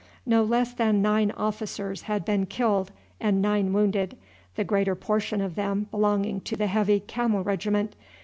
No less than nine officers had been killed and nine wounded, the greater portion of them belonging to the Heavy Camel Regiment.